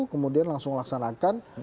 kemudian langsung laksanakan